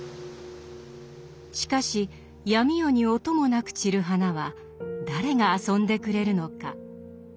しかし闇夜に音もなく散る花は誰が遊んでくれるのか。